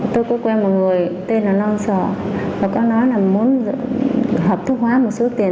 tôi có quen một người tên là long so và con nói là muốn hợp thức hóa một số tiền